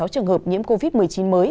trường hợp nhiễm covid một mươi chín mới